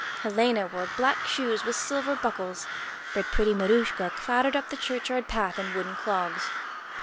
Helena wore black shoes with silver buckles, but pretty Maruschka clattered up the churchyard path in wooden clogs.